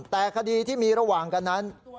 แต่คดีที่มีระหว่างกันนั้น